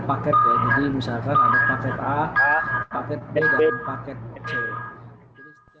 paket kayak jadi misalkan ada paket a paket b dan paket c